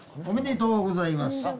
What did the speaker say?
おめでとうございます。